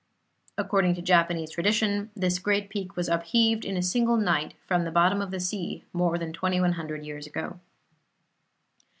According to Japanese tradition this great peak was upheaved in a single night from the bottom of the sea, more than twenty one hundred years ago.